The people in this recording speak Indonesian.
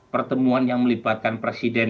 pertemuan yang melibatkan presiden